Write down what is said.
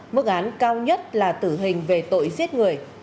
mức án cao nhất là tử hình về tội giết người